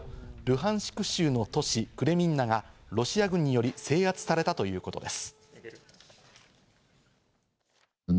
またロイター通信によりますと、ルハンシク州の都市クレミンナがロシア軍により制圧されたということです。